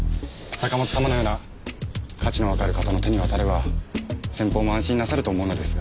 坂本様のような価値のわかる方の手に渡れば先方も安心なさると思うのですが。